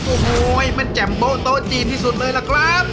โอ้โหมันแจ่มโบ๊โต๊ะจีนที่สุดเลยล่ะครับ